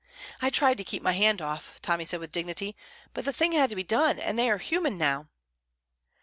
"I tried to keep my hand off," Tommy said, with dignity, "but the thing had to be done, and they are human now."